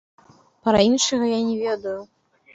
Пра іншага не ведаю.